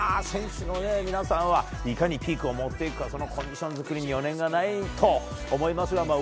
選手の皆さんはいかにピークを持っていくかコンディション作りに余念がないと思いますが。